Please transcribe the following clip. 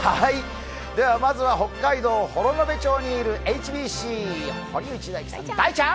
まずは北海道幌延町にいるＨＢＣ、大ちゃん！